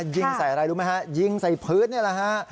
ยิงใส่อะไรรู้ไหมฮะยิงใส่พื้นนี่แหละฮะ